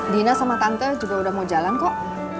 dina sama tante juga udah mau jalan kok